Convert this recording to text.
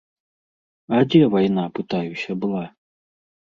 А дзе вайна, пытаюся, была?